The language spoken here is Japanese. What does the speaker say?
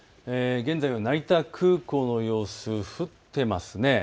現在の成田空港の様子降っていますね。